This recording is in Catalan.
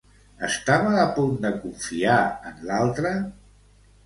Estava a punt de confiar en l'altre?